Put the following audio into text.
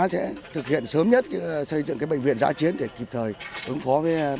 sẽ thực hiện sớm nhất xây dựng bệnh viện giã chiến để kịp thời ứng phó